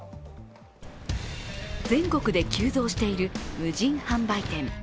全国で急増している無人販売店。